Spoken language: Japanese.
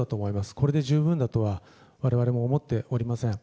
これで十分だとは我々も思っておりません。